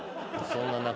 そんな中。